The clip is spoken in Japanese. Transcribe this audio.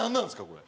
これ。